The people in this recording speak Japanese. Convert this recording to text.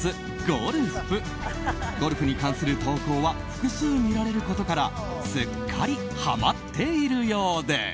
ゴルフに関する投稿は複数見られることからすっかりハマっているようです。